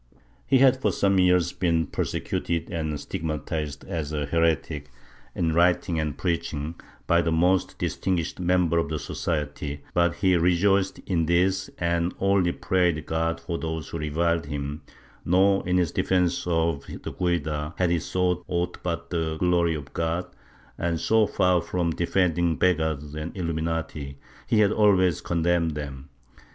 He had for some years been persecuted and stigmatized as a heretic, in writing and preach ing, by the most distinguished members of the Society, but he rejoiced in this and only prayed God for those who reviled him nor, in his defence of the Guida, had he sought aught but the glory of God and, so far from defending the Begghards and Illuminati, he had always condemned them.